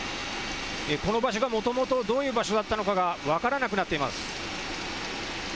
この場所はもともとどういう場所だったのかが分からなくなっています。